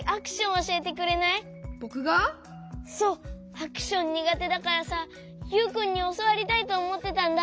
アクションにがてだからさユウくんにおそわりたいとおもってたんだ。